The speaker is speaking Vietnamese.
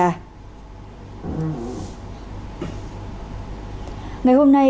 ngày hôm nay công an huyện xuân lộc đã đưa ra một bài hỏi cho tài